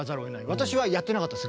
私はやってなかったです